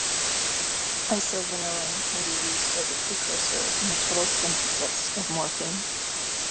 Isovanillin can be used as a precursor in the total synthesis of morphine.